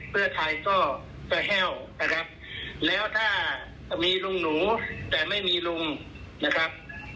เพื่อไทยก็จะแห้วนะครับแล้วถ้ามีลุงหนูแต่ไม่มีลุงนะครับ